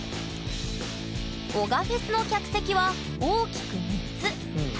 男鹿フェスの客席は大きく３つ。